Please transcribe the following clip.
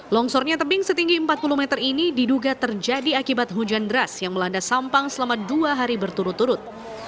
longsornya tebing setinggi empat puluh meter ini diduga terjadi akibat hujan deras yang melanda sampang selama dua hari berturut turut